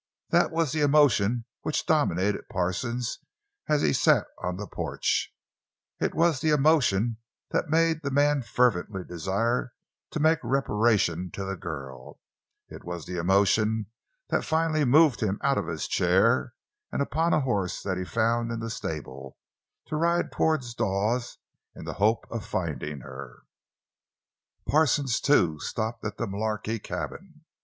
That was the emotion which dominated Parsons as he sat on the porch; it was the emotion that made the man fervently desire to make reparation to the girl; it was the emotion that finally moved him out of his chair and upon a horse that he found in the stable, to ride toward Dawes in the hope of finding her. Parsons, too, stopped at the Mullarky cabin.